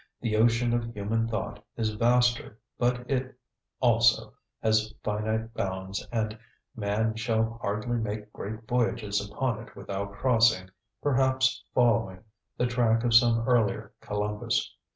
The ocean of human thought is vaster, but it, also, has finite bounds and man shall hardly make great voyages upon it without crossing, perhaps following, the track of some earlier Columbus.